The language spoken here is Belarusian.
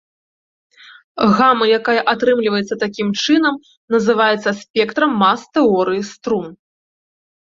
Гама, якая атрымліваецца такім чынам, называецца спектрам мас тэорыі струн.